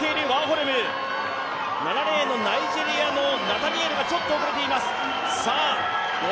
７レーンのナイジェリアのナタニエルがちょっと遅れています。